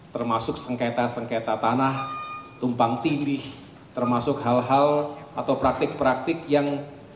termasuk sengketa sengketa tanah tumpang tindih termasuk hal hal atau praktik praktik yang